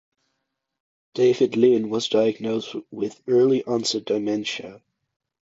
David Lyn was diagnosed with early onset dementia.